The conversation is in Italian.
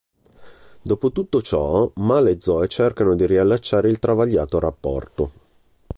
Dopo tutto ciò Mal e Zoe cercano di riallacciare il travagliato rapporto.